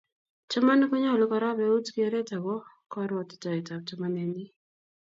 Chamaniik konyolu korop eut kereet ako karwotitoetab chamanenyi.